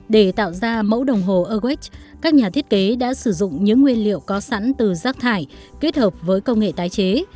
để tạo ra mẫu đồng hồ awacs các nhà thiết kế đã sử dụng những nguyên liệu có sẵn từ rác thải kết hợp với công nghệ tái chế